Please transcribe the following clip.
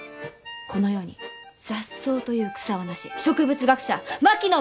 この世に雑草という草はなし植物学者槙野